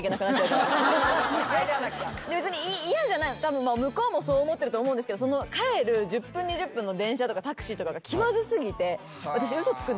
たぶん向こうもそう思ってると思うんですけど帰る１０分２０分の電車とかタクシーとかが気まず過ぎて私。